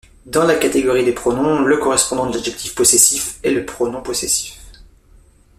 Dans la catégorie des pronoms, le correspondant de l'adjectif possessif est le pronom possessif.